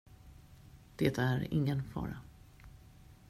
Det är ingen fara.